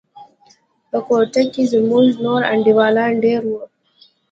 په كوټه کښې زموږ نور انډيوالان دېره وو.